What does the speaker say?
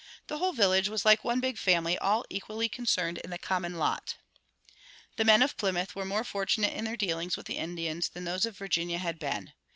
The whole village was like one big family, all equally concerned in the common lot. The men of Plymouth were more fortunate in their dealings with the Indians than those of Virginia had been.